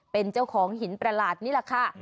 เป็นเจ้าของหินประหลาดนี่แหละค่ะ